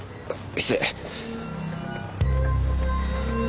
失礼。